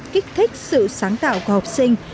kích thích sự sáng tạo của học sinh